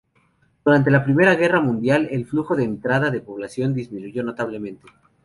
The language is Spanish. Durante la Primera Guerra Mundial el flujo de entrada de población disminuyó notablemente.